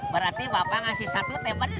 berarti bapak ngasih satu teman